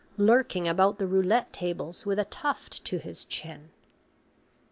lurking about the roulette tables with a tuft to his chin.